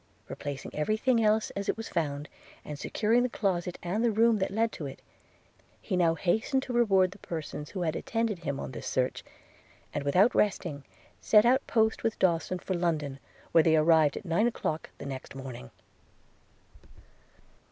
Replacing every thing else as it was found, and securing the closet and the room that led to it, he now hastened to reward the persons who had attended him on this search – and without resting, set out post with Dawson for London, where they arrived at nine o'clock the next morning.